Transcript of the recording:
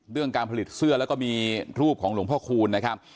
เรื่องการผลิตเสื้อแล้วก็มีรูปของหลวงพ่อคูณนะครับ